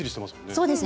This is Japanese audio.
そうですね。